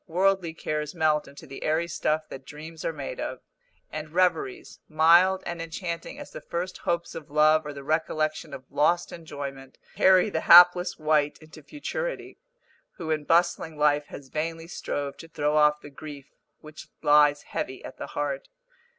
Worldly cares melt into the airy stuff that dreams are made of, and reveries, mild and enchanting as the first hopes of love or the recollection of lost enjoyment, carry the hapless wight into futurity, who in bustling life has vainly strove to throw off the grief which lies heavy at the heart.